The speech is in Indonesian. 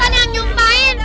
bahkan yang nyumpain